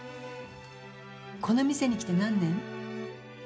この店に来て何年？